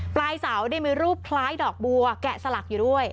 ปลายเสาได้มีรูปคล้ายดอกบัวแกะสลักอยู่ด้วย